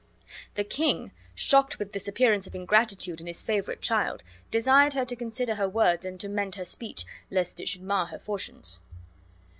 The king, shocked with this appearance of ingratitude in his favorite child, desired her to consider her words and to mend her speech, lest it should mar her fortunes.